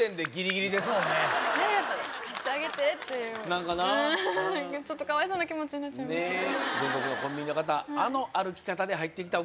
何かなあちょっとかわいそうな気持ちになっちゃいました